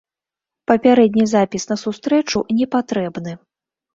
Папярэдні запіс на сустрэчу не патрэбны.